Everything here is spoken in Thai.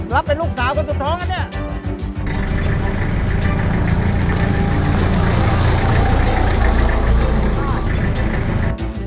รับเป็นลูกสาวของจุดทองอันนี้